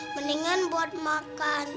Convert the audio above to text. mendingan buat makan